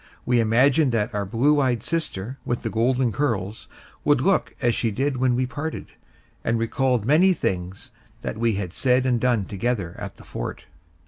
We imagined that our blue eyed sister with the golden curls would look as she did when we parted, and recalled many things that we had said and done together at the Fort.